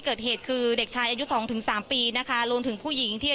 พูดสิทธิ์ข่าวธรรมดาทีวีรายงานสดจากโรงพยาบาลพระนครศรีอยุธยาครับ